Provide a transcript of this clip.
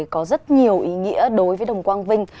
có rất nhiều ý nghĩa đối với đồng quang vinh